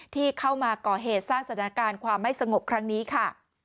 ที่เข้ามาก่อเหตุสร้างสถานการณ์ความไม่สงบครั้งนี้ค่ะ